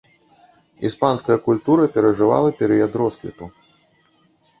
Іспанская культура перажывала перыяд росквіту.